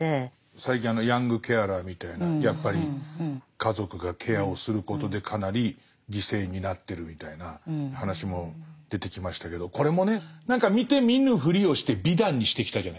最近ヤングケアラーみたいなやっぱり家族がケアをすることでかなり犠牲になってるみたいな話も出てきましたけどこれもね何か見て見ぬふりをして美談にしてきたじゃないですか。